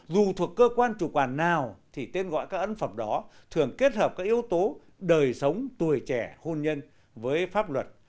dù thuộc cơ quan chủ quản nào thì tên gọi các ấn phẩm đó thường kết hợp các yếu tố đời sống tuổi trẻ hôn nhân với pháp luật